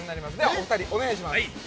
お二人、お願いします。